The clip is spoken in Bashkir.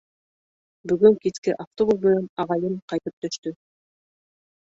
Бөгөн киске автобус менән ағайым ҡайтып төштө.